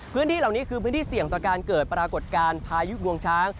พื้นที่เหล่านี้คือพื้นที่เสี่ยงต่อการเกิดปรากฏการณ์พายุงวงช้าง